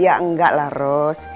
ya enggak lah ros